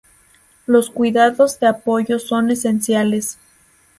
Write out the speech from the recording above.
Los cuidados de apoyo son esenciales.